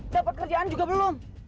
dapat kerjaan juga belum